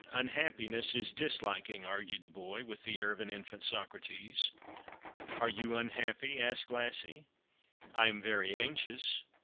Un happiness is disliking," argued the boy, with the air of an infant Socrates. " Are you unhappy ?" asked Lassie. " I am very anxious."